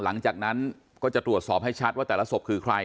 หลังจากนั้นก็จะตรวจสอบให้ชัดว่าแต่ละศพคือใคร